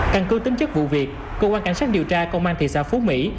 căn cư tính chất vụ việc công an cảnh sát điều tra công an thị xã phú mỹ